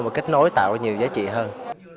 và kết nối tạo ra nhiều giá trị hơn